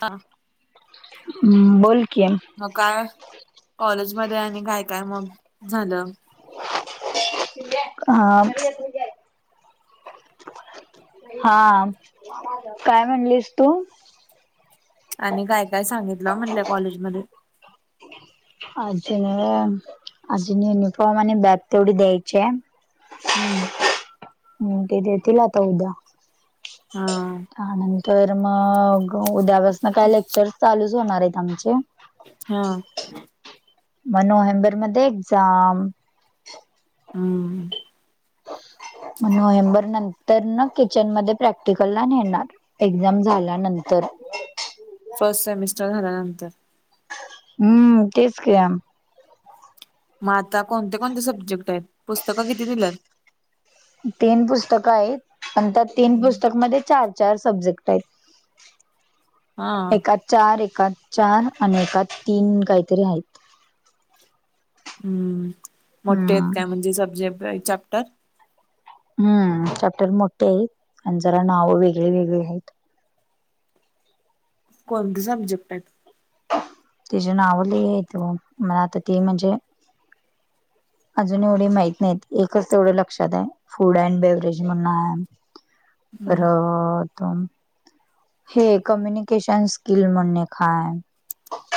हा हम्. बोल कि. म काय? कॉलेजमध्ये आणि काय काय मग झालं? आं - हां. काय म्हणलीस तू? आणि काय काय सांगितलं म्हटल कॉलेजमध्ये? आज -अजून युनिफॉर्म आणि बॅग तेवढी द्यायचिये. हम्म. हं. ते देतील आता उद्या. हा त्यानंतर- त मग उद्यापासन काय लेक्चर्स चालूच होणारेत आमचे. हां. म नोव्हेंबर मध्ये एक्झाम. हम्म. म नोव्हेंबर नंतर ना किचन मध्ये प्रॅक्टिकलला नेणार. एक्झाम झाल्यानंतर. फर्स्ट सेमिस्टर झाल्यानंतर. हम्म. तेच [unintelligible] म आता कोणते कोणते सब्जेक्ट आहेत? पुस्तकं किती दिल्यात? तीन पुस्तकं आहेत. पण त्या तीन पुस्तकमध्ये चार- चार सबजेक्ट आहेत. हा एकात - चार. एकात चार आणि एकात तीन काहीतरी आहेत. हम्म. मोठे आहेत हम्म काय म्हणजे सब्जेक्ट चॅप्टर? हम्म. चॅप्टर मोठे आहेत आणि जरा नावं वेगळे वेगळे आहेत. कोणते सब्जेक्ट आहेत? त्याचे नाव [unintelligible] आहेत म आता ते म्हणजे- अजून एवढे माहित नाहीत. एकच तेवढं लक्षात आहे फूड अँड बेव्हरेज म्हणून आहे. हम्म परत - हे ए. कम्युनिकेशन स्किल म्हणून एक हाय.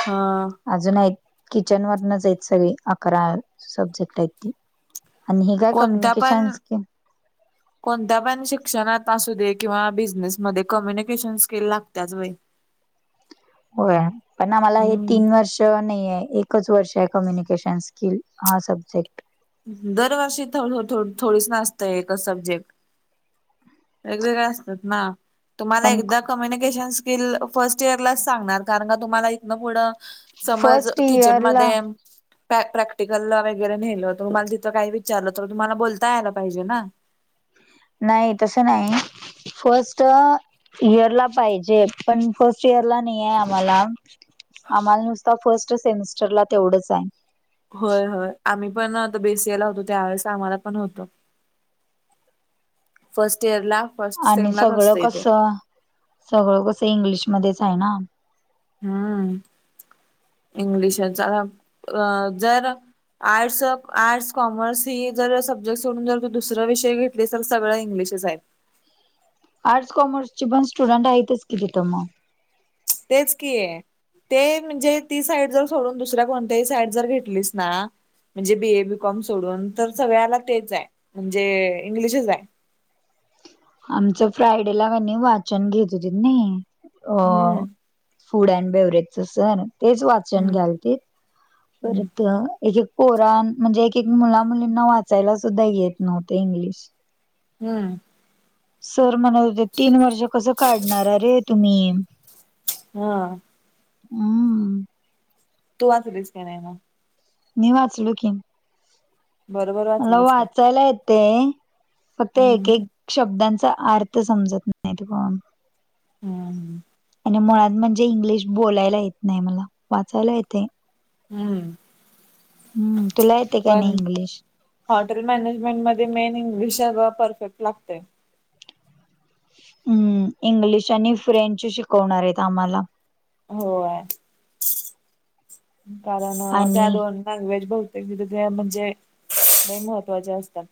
हा. अजून आहेत. किचन वरनच आहेत सगळी. अकरा आहेत सब्जेक्ट आहेत ती. आणि ही काय कोणता पण कम्युनिकेशन स्किल [inaudible] कोणत्या पण शिक्षणात असू दे. किंवा बिझनेसमध्ये कम्युनिकेशन स्किल लागत्याच बाई होय. आणं मला हे हम्म तीन वर्ष तो नाहीेये. एकच वर्ष ये. कम्युनिकेशन स्किल हा सब्जेक्ट दरवर्षी थ थो थोडीच ना असतय एक सब्जेक्ट वेगवेगळ्या असतात ना तुम्हाला पण एकदा कम्युनिकेशन स्किल फर्स्ट इयर लाच सांगणार, कारण का तुम्हाला इथनं पुढं समज फर्स्ट किचन इयरला मध्ये प्रॅ प्रॅक्टिकलला वगैरे नेलं, तर तुम्हाला तिथं काय विचारलं तर तुम्हाला बोलता यायला पाहिजे ना नाही तसं नाही फस्ट इयरला पाहिजे. पण फस्ट इयरला नाहीये आम्हाला आम्हाला नुसता फर्स्ट सेमिस्टरला तेवढंच आय होय होय. आम्ही पण आता बी ए सी ला होतो. त्यावेेळेस आम्हाला पण होत फस्ट इयरला आणि सगळं कसं, सगळं कसं, इंग्लिशमध्येच आहे ना हूं इंग्लिशच अ जर आर्ट्स, आर्ट्स, कॉमर्स ही जर सब्जेक्ट सोडुन जर तू दुसरा विषय घेत लस. सगळं इंग्लीशच हाय आर्ट्स, कॉमर्स ची पण स्टुडंट आहेतच की तिथं म तेच की ते म्हणजे, ती साईड जर सोडून दुसऱ्या कोणत्याही साईड जर घेटलीस ना म्हणजे बी ए, बी कॉम सोडून तर सगळ्याला तेच ये. म्हणजे इंग्लिशच आय आमचं फ्रायडेला कनी वाचन घेत होतीत नी अ हम्म फुड आणी बेवरेट सर, तेच वाचन हम्म घ्यालतीत हम्म परत एक एक पोराण म्हणजे, एक एक मुला मुलींना वाचायला सुद्धा येत नव्हते इंग्लिश हूं सर म्हणत होते. तीन वर्ष कसं काढणार रे तुम्ही हां हं हं तू वाचलीस का नाय म मी वाचले की बरोबर मला वाचलीस का वाचायला येतय. फक्त हम्म एक एक शब्दांचा अर् र्थ समजत नाय की पण [unintelligible] म मुळात म्हणजे, इंग्लिश बोलायला येत नाय मला वाचायला येतय हूं हूं, तुला येतय काय नाय इंग्लिश हॉटेल मॅनेजमेंट मध्ये मेन इंग्लिश अग परफेक्ट लागतय हम्म, इंग्लिश आणि फ्रेंच शिकवणार येत. आम्हाला होय. कारण त्या आणि दोन लँवेज बहुतेक [unintelligible] म्हणजे, लय महत्त्वाच्या असतात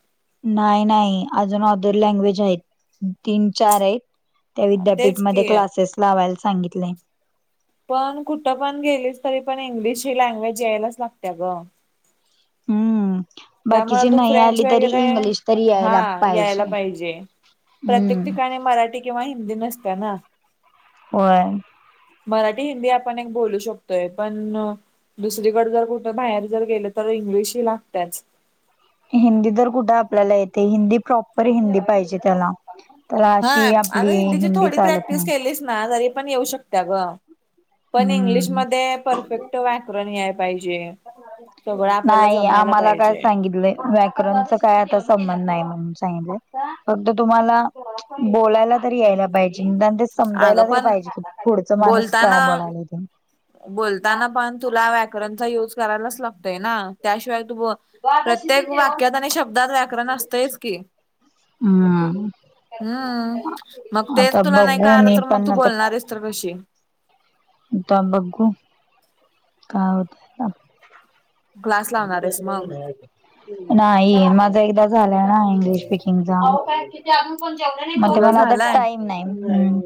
नाही नाही. अजून ओदर लँग्वेज आहेत तीन चार येत त्या तेच विद्यापीठमध्ये की क्लासेस लावायला सांगितलय पण कुठं पण गेलीस तरी, पण इंग्लिश ही लँग्वेज यायलाच लागत्या ग हम्म त्यामुळे बाकीचे तू नाही फ्रेंच आली तरी वगैरे इंग्लिश तरी हा यायला यायला पाहिजे प्रत्येक हम्म ठिकाणी मराठी किंवा हिंदी नसत्या ना होय मराठी हिंदी आपण एक बोलू शकतोय पण दुसरीकडे जर कुठे बाहेर जर गेल तर इंग्लिश ही लगत्याच हिंदी तर कुठं आपल्याला येते हिंदी प्रॉपर हिंदी पाहिजे त्याला त्याला हा अशी अग आपली हिंदची हिंदी थोडी चालत प्रॅक्टिस नाही केलीस ना जरी पण येऊ शकते ग पण हम्म इंग्लिशमध्येध्ये परफेक्ट व्याकरण याला पाहिजे सगळं आपल्याला नाही जमायला आम्हाला काय पाहिजे सांगितले व्याक काय आता संबंध नाही म्हणून सांगितल फक्त तुम्हाला बोलायला तरी यायला पाहिजे त्यात ते समजायला अगं तरी पण पाहिजे पुढचा माणूस बोलताना काय बोलतोय काय बोलताना पण तुला व्याकरणचा युज करायलाच लागतोय ना त्याशिवाय तू बोल प्रत्येक वाक्यात आणि शब्दात व्याकरण असतेच की? हम्म हम्म मग आता तेच तुला नाही का बघू आलं मी तर मग पण तू आता बोलणार तर कशी तेव्हा बगू काय होतेय का क्लास मग लावणारेस झाले का नाही अजून नाही माझा एकदा झालाय ना इंग्लिश स्पीकिंगचा मग ते तुझं मला आता झालाय टाईम नाही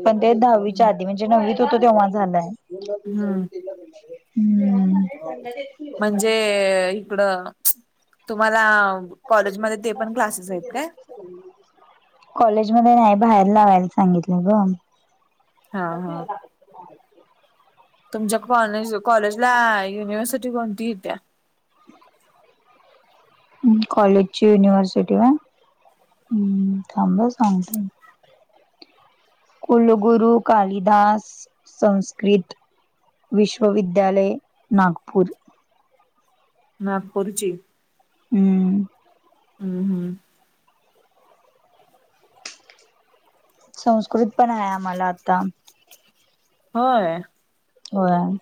पण ते दहावीच्या आधी मजे म्हणजे नववीत होत तेव्हा झालाय हम्म म्हणजे इकडं च तुम्हाला कॉलेजमध्येध्ये ते पण क्लासेस आहेत काय कॉलेजमध्येध्ये नाही बाहेर लावायला सांगितलाय ग हहह तुमच्या कॉलेज कॉलेजला युनिव्हर्सिटी कोणती येती या कॉलेजची युनिव्हर्सिटी व्य थांब हा सांगतो कुलगुरू कालिदास संस्कृत विश्वविद्यालय नागपूर नागपूरची हम्म हम्म हम्म संस्कृत पण आहे आम्हाला आता होय होय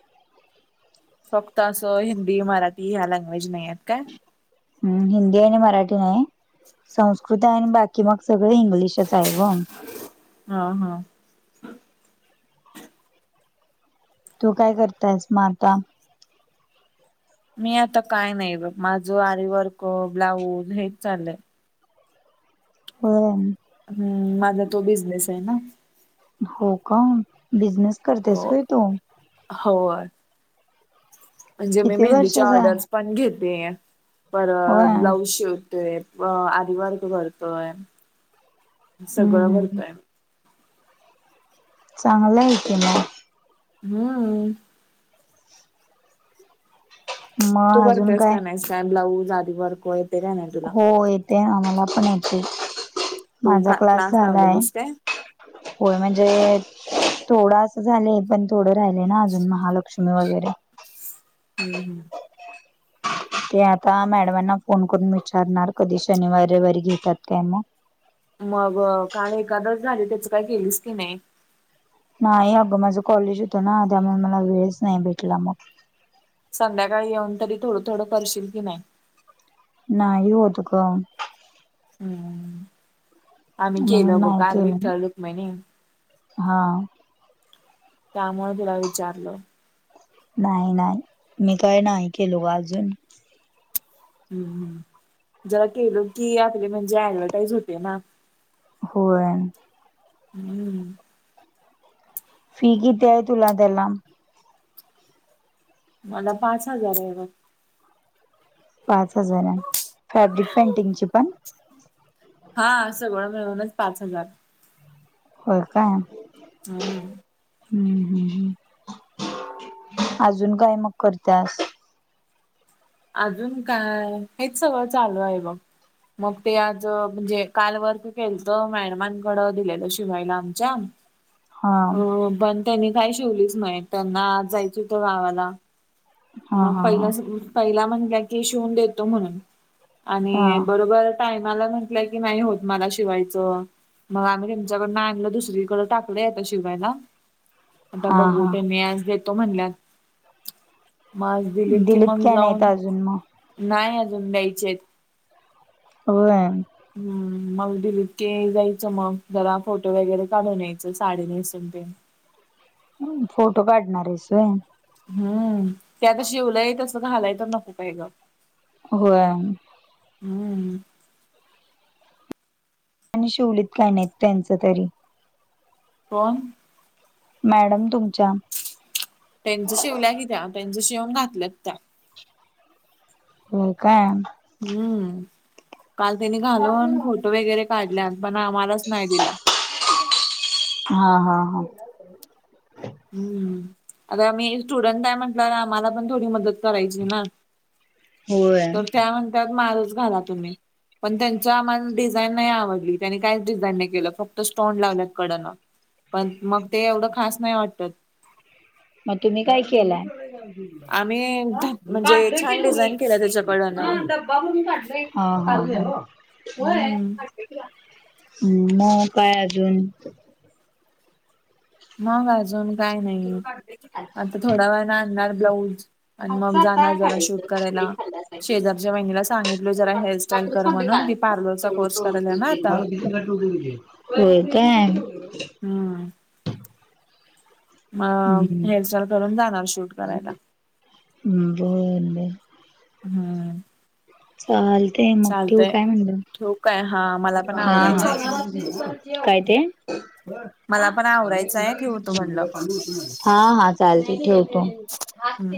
फक्त असं हिंदी मराठी ह्या लँग्वेज नाही आहेत काय? हम्म हिंदी आणि मराठी नाही संस्कृत आणि बाकी मग सगळे इंग्लिशच आहे बघ ह ह तू काय करतायस मग आता मी आता काय नाही बघ माझं आरी वर्क ब्लाऊज हेच चाललंय हो हम्म माझा तो बिझनेस आहे ना हो का बिझनेस करतेस हो होय तू? होय. म्हणजे मी किती मेहंदीच्या वर्षाचा ऑर्डरस पण घेते. होय परत ब्लाऊज हम्म शिव ते आरी वर्क भरतोय, सगळं हम्म भरतोय. चांगलं आहे की मग. हम्म्म. तू मग अजून करतेयस काय का नाही सेम ब्लाऊज आधी वर्क? वैग होय येते आम्हाला पण येते, तू माझा का क्लास झालाय. लावलेलीस काय? होय, म्हणजे थोडं अस झालंय, पण थोडं अजून राहिलंयना अजून महालक्ष्मी [unintelligible] हम, हम. ते आता मॅडमांना फोन करून विचारणार कधी? शनिवार, रविवारी घेतात काय मग? मग काल एकादश झाली. त्याच काय केेलीस की नाही? नाही अगं माझं कॉलेज होतं ना, त्यामुळे मला वेळच नाही भेटला मग संध्याकाळी येऊन तरी थोडं थोडं करशील की नाही? नाही होत गं. हम्म. आम्ही केलो म्हणून नाही बाबा आम्ही केलं विठ्ठल ना रुक्मिणी. हा त्यामुळे तुला विचारलं. काय नाय, मी काय नाही केलो अजून. जरा केलो की आपली म्हणजे ऍडव्हटाईज होते ना. होय. [inaudible] फी किती आहे तुला तरी? मला पाच हजार आहे. पाच हजार आहे फॅब्रिक पेंटिंगची हां, सगळं मिळूनच पाच हजार. होय काय? [inaudible] हम्म [unintelligible] अजून काय मग करती यास? अजून काय हेच सगळं चालू आहे बघ. मग ते आज म्हणजे काल वर्क केलंत मॅडमांकडं दिलेलं शिवायला आमच्या. [inaudible] अ पण त्यांनी काय शिवलीच नाही. त्यांना आज जायचं होतं गावाला. हा मग हा पहिला, हा पहिला म्हणाला की शिवून देतो म्हणून हा आणि बरोबर टायमाला म्हटलं की नाही होत मला शिवायचं. मग आम्ही तुमच्याकडून आणलं दुसरीकडे टाकलं आता शिवायला. आता हा बघू हा त्यांनी आज देतो म्हणल्यात. मग दिलीत कि मग काय नाहीत जाऊन अजून मग नाही अजून द्यायचेत. होय आणि [inaudible] मग दिलीत के जायचं मग जरा फोटो वगैरे काढून यायचं साडी नेसून. फोटो काढणार आहेस व्हय? हम्म, ते अग शिवलयं तसं घालायचं तर नको काय गं. होय. हम्म. आणि शिवलीत काय नाहीत त्यांचं तरी कोण? मॅडम तुमच्या त्यांच शिवल्या कि त्या, त्यांच शिवून घातल्यात त्या हो काय? हम्म, काल तीनि घालून फोटो वगैरे काढल्या पण आम्हालाचं नाही दिल्या. हा, हा- हा. हम्, आता आम्ही स्टुडंट आहे, म्हटलं ना त आम्हाला पण थोडी मदत करायची ना होय तर त्या म्हणत्यात माझंच घाला तुम्ही. पण त्यांची आम्हाला डिझाईन नाही आवडली, त्यांनी काहीच डिझाईन नाही केलं फक्त स्टोन लावल्यात कडेनं. पण मग ते एवढं खास नाही वाटत. मग तुम्ही काय केलंय? आम्ही ह म्हणजे बाट क छान तु्ही ह डिझाईन केल्या [unintelligible] त्याच्याकडनं. ून काढलाय चालू आहे हम्म [inaudible] हम्, मग काय अजून? मंग अजून? काय नाही आता थोडा वेळ ना आणणार ब्लाऊज आणि मग जाणार जरा शूट करायला. शेजारच्या वहिणीला सांगितलं जरा हेअरस्टाईल कर म्हणून ती पार्लरचा कोर्स करेल ना आता. होय काय? हम्म, मं हम्म हेअरस्टाईल करून जाणार शूटं करायला. हम्म, बरं- बरं. हम्म, चालंते मग ठिऊ चालतय काय म्हणलं? ठेवू काय हा मला पण आवरायचं आहे ग हा-हा. काय ते? मला पण आवरायचं आहे ठेवतो म्हणलं. हा -हा, चालंते ठेवतो. हम्म.